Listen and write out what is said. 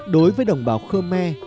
đối với đồng bào khơ me